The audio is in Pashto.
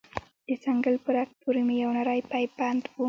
د څنگل په رگ پورې مې يو نرى پيپ بند و.